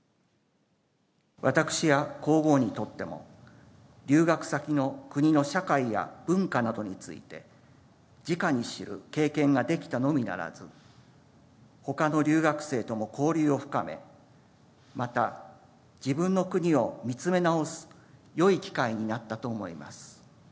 私や皇后にとっても、留学先の国の社会や文化などについて、じかに知る経験ができたのみならず、ほかの留学生とも交流を深め、また、自分の国を見つめ直すよい機会になったと思います。